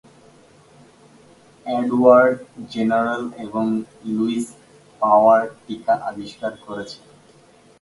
Edward Jenner এবং Louis Pasteur টিকা আবিষ্কার করেছিলেন।